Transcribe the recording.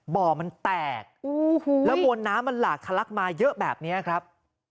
บ่อมันแตกแล้วมวลน้ำมันหลากทะลักมาเยอะแบบนี้ครับ